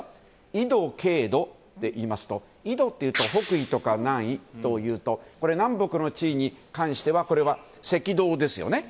緯度経度でいいますと緯度というと北緯とか南緯というと南北に関してはこれは赤道ですね。